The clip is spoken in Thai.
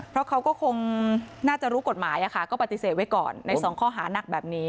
เพราะเขาก็คงน่าจะรู้กฎหมายก็ปฏิเสธไว้ก่อนในสองข้อหานักแบบนี้